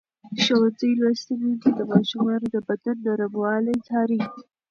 ښوونځې لوستې میندې د ماشومانو د بدن نرموالی څاري.